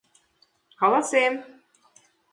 Каласем!